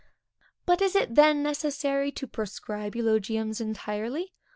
But is it then necessary to proscribe eulogiums entirely?